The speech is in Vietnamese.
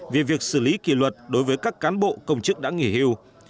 về việc xử lý kỷ luật đối với các cán bộ công chức đã nghỉ hưu